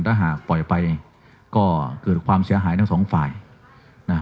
ถ้าหากปล่อยไปก็เกิดความเสียหายทั้งสองฝ่ายนะ